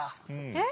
えっ？